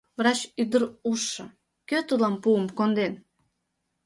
Врач ӱдыр ужшо: кӧ тудлан пуым конден.